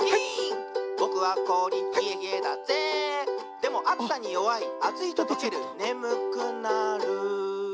「でもあつさによわいあついととけるねむくなる」